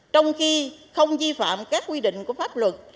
trong khi không di phạm các quy định của pháp luật